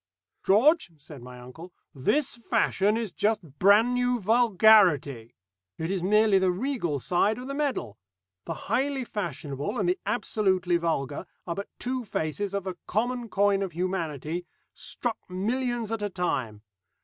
"George," said my uncle, "this Fashion is just brand new vulgarity. It is merely the regal side of the medal. The Highly Fashionable and the Absolutely Vulgar are but two faces of the common coin of humanity, struck millions at a time.